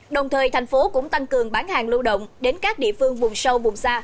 đồng thời thành phố cũng tăng cường bán hàng lưu động đến các địa phương vùng sâu vùng xa